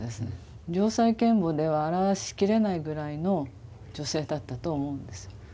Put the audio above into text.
良妻賢母では表しきれないぐらいの女性だったと思うんです。